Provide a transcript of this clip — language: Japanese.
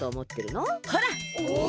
ほら！